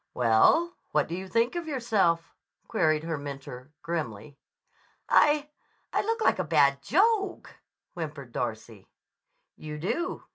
"Well, and what do you think of yourself?" queried her mentor grimly. "I—I look like a bad joke," whimpered Darcy. "You do.